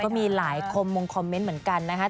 ก็มีหลายคมมงคอมเมนต์เหมือนกันนะคะ